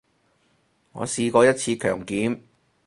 我試過一次強檢